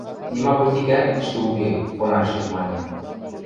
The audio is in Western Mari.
— Нима потикӓӓт тиштӹ уке, — фонарщик маньы.